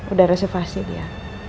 udah reservasi dia